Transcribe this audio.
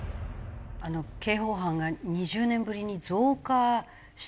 刑法犯が２０年ぶりに増加していると。